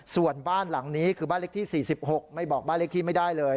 ส่วนบ้านหลังนี้คือบ้านเลขที่๔๖ไม่บอกบ้านเลขที่ไม่ได้เลย